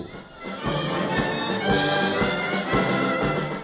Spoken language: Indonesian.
masih sudah gini gini